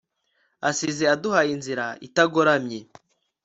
asize aduhaye inzira itagoramye